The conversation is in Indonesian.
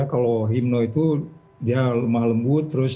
kalau himne itu dia lumah lembut